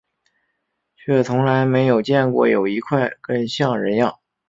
却从来没有见过有一块根像人样